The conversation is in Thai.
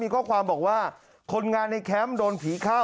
ข้อความบอกว่าคนงานในแคมป์โดนผีเข้า